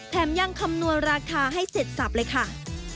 แถมยังคำนวณราคาให้เสร็จสับเลยค่ะ